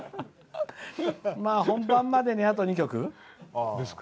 本番までに、あと２曲。